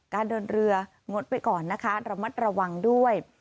เดินเรืองดไปก่อนนะคะระมัดระวังด้วย